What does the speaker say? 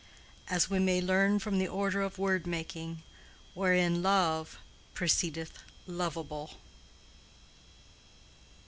As we may learn from the order of word making, wherein love precedeth lovable.